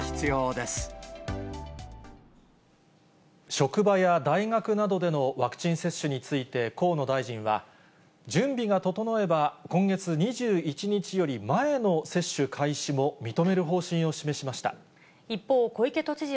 職場や大学などでのワクチン接種について、河野大臣は、準備が整えば、今月２１日より前の接種開始も認める方針を示しました。